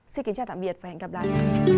xin kính chào tạm biệt và hẹn gặp lại